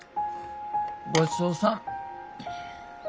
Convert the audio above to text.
ごちそうさん。